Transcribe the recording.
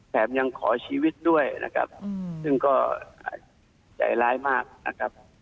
แถมยังขอชีวิตด้วยนะครับซึ่งก็ใจร้ายมากนะครับ